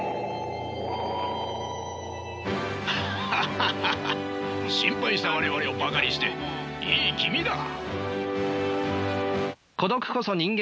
ハハハハ心配した我々をバカにしていい気味だ。